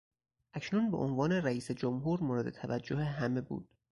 اکنون به عنوان رئیس جمهور مورد توجه همه بود.